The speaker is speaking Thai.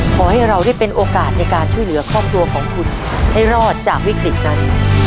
ขอให้เราได้เป็นโอกาสในการช่วยเหลือครอบครัวของคุณให้รอดจากวิกฤตนั้น